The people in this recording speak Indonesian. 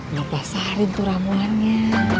ngepasarin tuh ramuannya